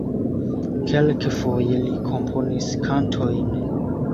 Kelkfoje li komponis kantojn.